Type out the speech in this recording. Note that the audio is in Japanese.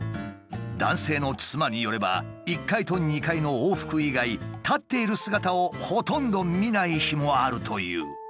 男性の妻によれば１階と２階の往復以外立っている姿をほとんど見ない日もあるという。